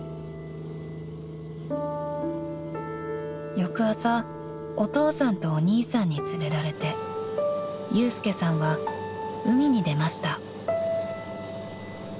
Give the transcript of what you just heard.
［翌朝お父さんとお兄さんに連れられて祐介さんは海に出ました］